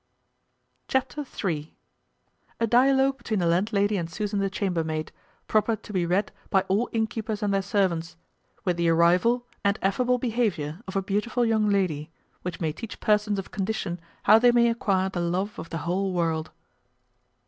Chapter iii. A dialogue between the landlady and Susan the chamber maid, proper to be read by all inn keepers and their servants; with the arrival, and affable behaviour of a beautiful young lady; which may teach persons of condition how they may acquire the love of the whole world.